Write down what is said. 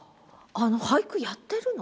俳句やってるの？